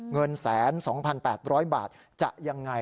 เงิน๑๒๘๐๐บาทจะยังไง